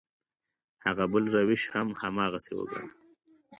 هغه بل روش هم هماغسې وګڼه.